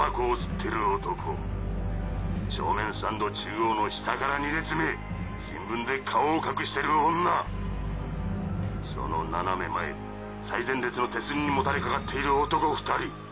中央の下から２列目新聞で顔を隠してる女その斜め前最前列の手すりにもたれかかっている男２人。